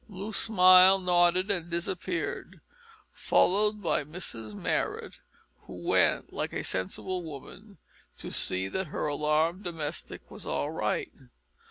Loo smiled, nodded and disappeared, followed by Mrs Marrot, who went, like a sensible woman, to see that her alarmed domestic was all right.